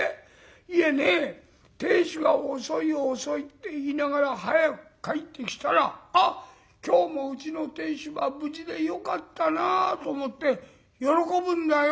いえね亭主が遅い遅いって言いながら早く帰ってきたら『あっ今日もうちの亭主が無事でよかったなあ』と思って喜ぶんだよ。